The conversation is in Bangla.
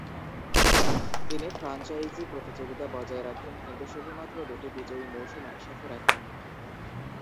তিনি ফ্রাঞ্চাইজি প্রতিযোগিতা বজায় রাখেন, কিন্তু শুধুমাত্র দুটি বিজয়ী মৌসুম একসাথে রাখেন।